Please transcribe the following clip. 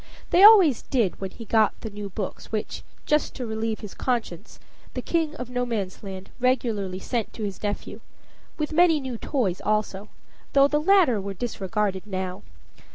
They always did when he got the new books which, just to relieve his conscience, the King of Nomansland regularly sent to his nephew; with many new toys also, though the latter were disregarded now.